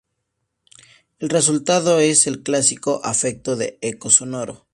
El resultado es el clásico efecto de eco sonoro.